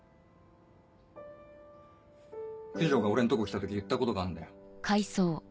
九条が俺んとこ来た時言ったことがあんだよ。